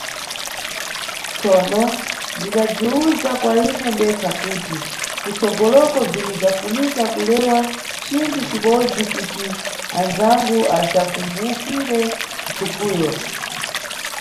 Tsono, ndidabziwuza kwa ine ndekha kuti kutsogoloko bzinidzafunika kulewa cinthu cibodzi kuti andzangu adzakumbukire ntsikuyo.